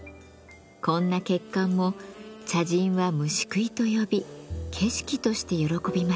こんな欠陥も茶人は「虫喰い」と呼び景色として喜びました。